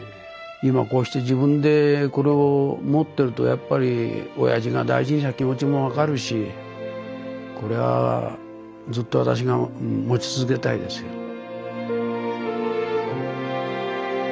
今こうして自分でこれを持ってるとやっぱりおやじが大事にした気持ちも分かるしこれはずっと私が持ち続けたいですよ。